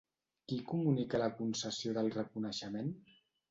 Qui comunica la concessió del reconeixement?